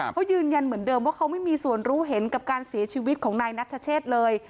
เขายืนยันเหมือนเดิมว่าเขาไม่มีส่วนรู้เห็นกับการเสียชีวิตของนายนัทเชษเลย